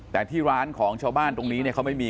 แต่ที่ร้านของชาวบ้านตรงนี้เนี่ยเขาไม่มี